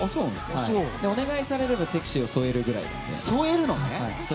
お願いされればセクシーを添えるくらいなので。